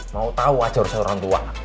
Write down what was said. mau tahu aja urusan orang tua